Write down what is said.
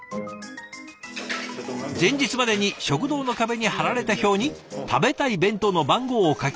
前日までに食堂の壁に貼られた表に食べたい弁当の番号を書き込んで注文する仕組み。